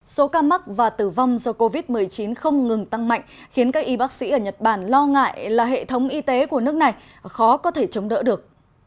số ca mắc và tử vong do covid một mươi chín không ngừng tăng mạnh khiến các y bác sĩ ở nhật bản lo ngại là hệ thống y tế của nước này khó có thể chống đỡ được